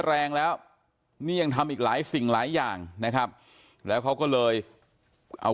แรงแล้วนี่ยังทำอีกหลายสิ่งหลายอย่างนะครับแล้วเขาก็เลยเอา